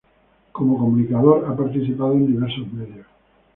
Como comunicador, ha participado en diversos medios.